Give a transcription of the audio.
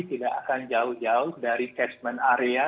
tidak akan jauh jauh dari catchment area